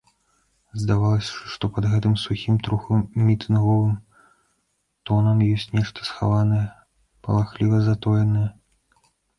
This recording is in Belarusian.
Здавалася, што пад гэтым сухім, троху мітынговым тонам ёсць нешта схаванае, палахліва затоенае.